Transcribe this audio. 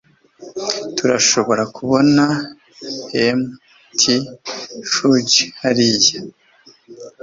turashobora kubona mt. fuji hariya